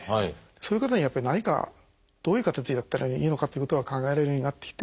そういう方にやっぱり何かどういう形でやったらいいのかということが考えられるようになってきて。